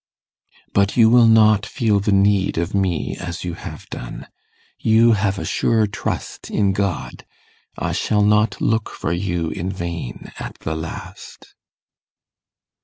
'But you will not feel the need of me as you have done ... You have a sure trust in God ... I shall not look for you in vain at the last.